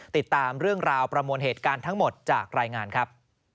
ติดตามเรื่องราวประมวลเหตุการณ์ทั้งหมดจากรายงานครับ